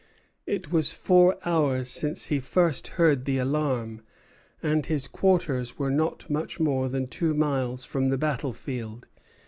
It was four hours since he first heard the alarm, and his quarters were not much more than two miles from the battle field.